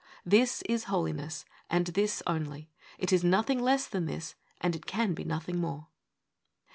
This is Holiness, and this only. It is nothing less than this, and it can be nothing more.